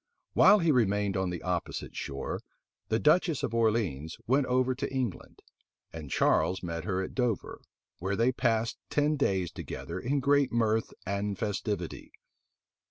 While he remained on the opposite shore, the duchess of Orleans went over to England; and Charles met her at Dover, where they passed ten days together in great mirth and festivity.